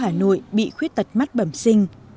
hà nội bị khuyết tật mắt bẩm sinh